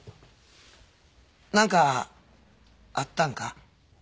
何かあったんか？